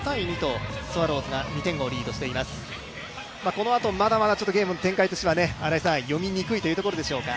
このあとまだまだゲームの展開としては読みにくいというところでしょうか。